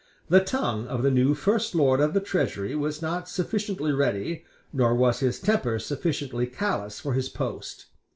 The tongue of the new First Lord of the Treasury was not sufficiently ready, nor was his temper sufficiently callous for his post.